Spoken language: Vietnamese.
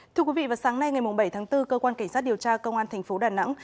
thưa quý vị vào sáng nay ngày bảy tháng bốn cơ quan cảnh sát điều tra công an thành phố đà nẵng